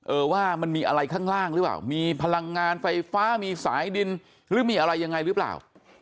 เออว่ามันมีอะไรข้างล่างหรือเปล่ามีพลังงานไฟฟ้ามีสายดินหรือมีอะไรยังไงหรือเปล่า